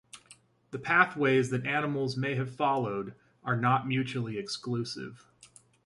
The pathways that animals may have followed are not mutually exclusive.